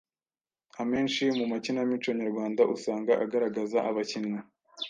Amenshi mu makinamico nyarwanda usanga agaragaza abakinnyi